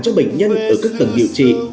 cho bệnh nhân ở các tầng điều trị